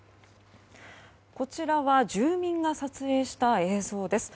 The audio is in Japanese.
こちらは住民が撮影した映像です。